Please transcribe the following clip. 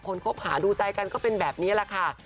คบหาดูใจกันก็เป็นแบบนี้แหละค่ะ